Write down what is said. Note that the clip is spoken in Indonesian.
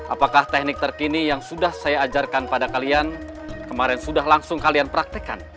apakah teknik terkini yang sudah saya ajarkan pada kalian kemarin sudah langsung kalian praktekkan